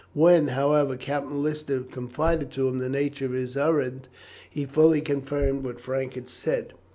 When, however, Captain Lister confided to him the nature of his errand, he fully confirmed what Frank had said.